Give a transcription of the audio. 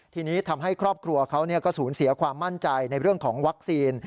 ทีนี้ทำให้ครอบครัวเขาก็สูญเสียความมั่นใจในเรื่องของวัคซีน